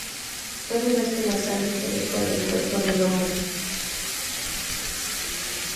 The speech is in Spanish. Puede verse la sangre que recorre el cuerpo del hombre.